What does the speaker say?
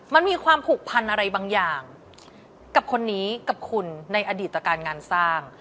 มันมีความผูกพันอะไรบางอย่างกับคนนี้กับคุณในอดีตการงานสร้าง